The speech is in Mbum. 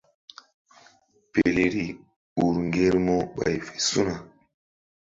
Peleri ur ŋgermu ɓay fe su̧na.